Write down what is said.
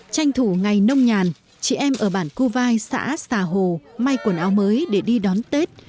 tranh thủ ngày nông nhàn chị em ở bản cô vai xã xà hồ may quần áo mới để đi đón tết